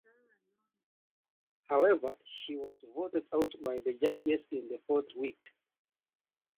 However, she was voted out by the judges in the fourth week.